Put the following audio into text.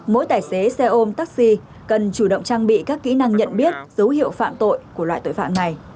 mỗi tài xế xe ôm taxi cần chủ động trang bị các kỹ năng nhận biết dấu hiệu phạm tội của loại tội phạm này